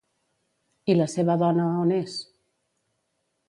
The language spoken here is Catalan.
I la seva dona, on és?